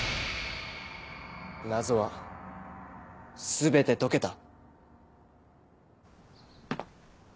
謎は全て解けた。